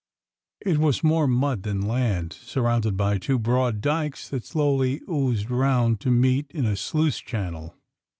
It was more mud than land, surrounded by two broad dykes that slowly oozed round to meet in a sluice chan nel.